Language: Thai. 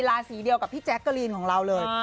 ราศีเดียวกับพี่แจ๊กกะลีนของเราเลย